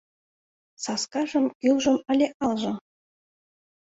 Саскажым, гÿлжым але алжым